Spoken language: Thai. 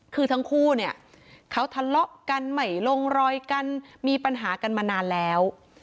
คือทั้งคู่เนี่ยเขาทะเลาะกันใหม่ลงรอยกันมีปัญหากันมานานแล้ว